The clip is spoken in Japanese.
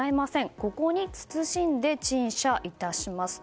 ここに謹んで陳謝いたします